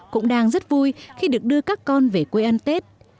cũng đang rất vui khi được đưa các con về quê ăn tết